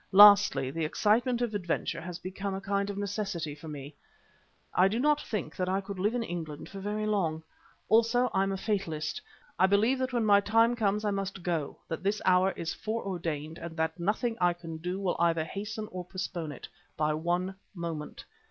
Lastly, the excitement of adventure has become a kind of necessity for me. I do not think that I could live in England for very long. Also I'm a fatalist. I believe that when my time comes I must go, that this hour is foreordained and that nothing I can do will either hasten or postpone it by one moment.